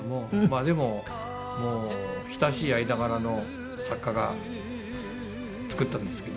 まあでも親しい間柄の作家が作ったんですけど。